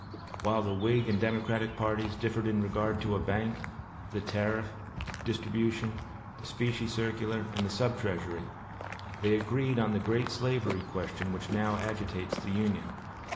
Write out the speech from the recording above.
While the Whig and Democratic parties differed in regard to a bank, the tariff, distribution, the specie circular, and the sub treasury, they agreed on the great slavery question which now agitates the Union.